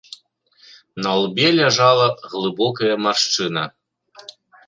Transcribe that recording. На лбе ляжала глыбокая маршчына.